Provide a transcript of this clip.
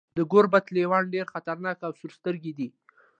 د ګوربت لیوان ډیر خطرناک او سورسترګي دي.